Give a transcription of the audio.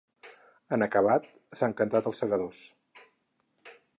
En acabat, s’han cantat ‘Els segadors’.